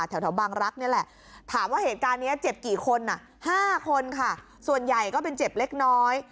แถวบางรักนี่แหละถามว่าเหตุการณ์นี้เจ็บกี่คน๕คนค่ะส่วนใหญ่ก็เป็นเจ็บเล็กน้อย